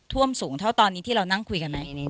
ท่วมสูงเท่าตอนนี้ที่เรานั่งคุยกันไหม